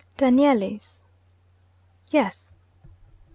'Danieli's?' 'Yes!'